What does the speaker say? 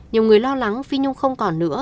nhiều người lo lắng phi nhung không còn nữa